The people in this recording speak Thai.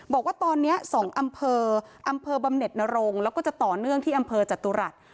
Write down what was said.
บอกว่าตอนนี้๒อำเภออำเภอบำเน็ตนรงค์แล้วก็จะต่อเนื่องที่อำเภอจตุรัส